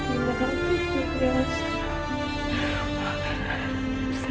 amba hati hati berkata